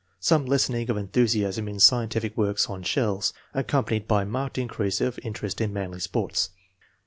Some lessening of enthusiasm in scientific work on shells, accompanied by marked increase of interest in manly sports.